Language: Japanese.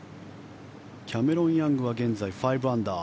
キャメロン・ヤングは現在５アンダー。